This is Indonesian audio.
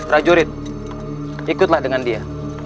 rajurit ikutlah dengan dia